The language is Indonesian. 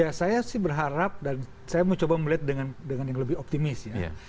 ya saya sih berharap dan saya mau coba melihat dengan yang lebih optimis ya